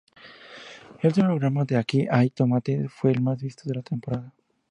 El último programa de "Aquí hay tomate" fue el más visto de la temporada.